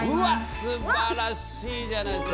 素晴らしいじゃないですか。